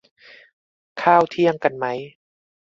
ข้าวเที่ยงกันไหม